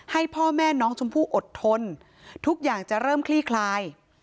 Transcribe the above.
ให้พ่อแม่น้องชมพู่อดทนทุกอย่างจะเริ่มคลี่คลาย